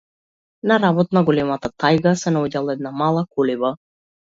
На работ на големата тајга се наоѓала една мала колиба.